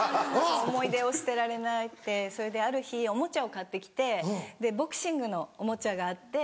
思い出を捨てられないってそれである日おもちゃを買って来てボクシングのおもちゃがあって。